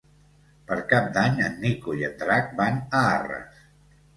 Per Cap d'Any en Nico i en Drac van a Arres.